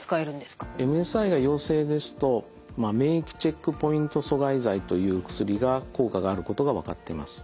ＭＳＩが陽性ですと免疫チェックポイント阻害剤という薬が効果があることが分かってます。